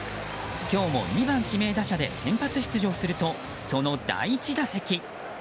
今日も２番、指名打者で先発出場するとその第１打席。